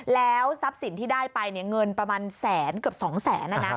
แล้วทรัพย์สินที่ได้ไปเงินประมาณแสนเกือบ๒แสน